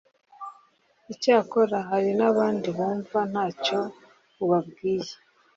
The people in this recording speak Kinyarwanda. Icyakora hari n’abandi bumva ntacyo ubabwiye